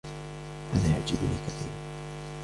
هذا يعجبني كثيرا.